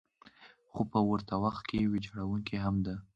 خو په ورته وخت کې ویجاړونکې هم ده.